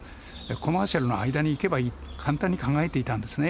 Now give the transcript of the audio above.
コマーシャルの間に行けばいいと簡単に考えていたんですね。